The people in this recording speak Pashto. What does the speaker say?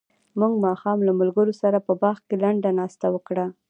موږ ماښام له ملګرو سره په باغ کې لنډه ناسته وکړه.